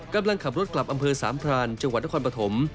กำลังขับรถกลับอำเภอสามพรานจังหวัดนครปฐม